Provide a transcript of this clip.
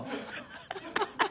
ハハハハ。